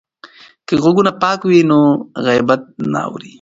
که غوږونه پاک وي نو غیبت نه اوري.